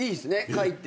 書いて。